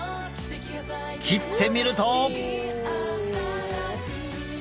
切ってみると。